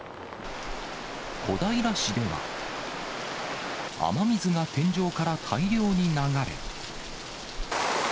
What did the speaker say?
小平市では、雨水が天井から大量に流れ。